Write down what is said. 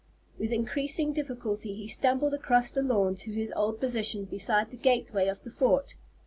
With increasing difficulty he stumbled across the lawn to his old position beside the gateway of the fort.